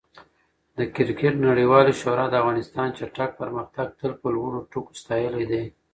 د کرکټ نړیوالې شورا د افغانستان چټک پرمختګ تل په لوړو ټکو ستایلی دی.